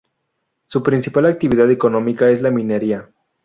Su principal actividad económica es la minería.